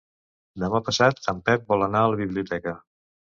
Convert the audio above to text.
Demà passat en Pep vol anar a la biblioteca.